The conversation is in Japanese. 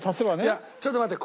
いやちょっと待って。